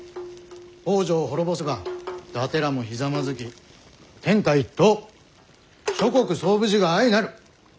北条を滅ぼせば伊達らもひざまずき天下一統諸国惣無事が相成る。